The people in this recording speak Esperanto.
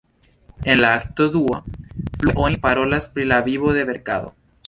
En la akto dua, plue oni parolas pri la vivo de verkado.